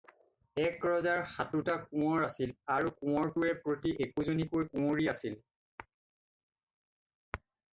এক ৰজাৰ সাতোটা কোঁৱৰ আছিল আৰু কোঁৱৰটোৱে প্ৰতি একোজনীকৈ কুঁৱৰী আছিল।